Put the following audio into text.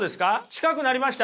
近くなりました？